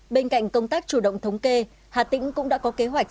bên cạnh công tác chủ động thống kê hà tĩnh cũng đã có kế hoạch